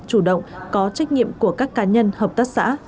chủ động có trách nhiệm của các cá nhân hợp tác xã